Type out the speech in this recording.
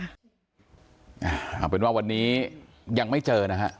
เอาเป็นว่าวันนี้ยังไม่เจอนะฮะ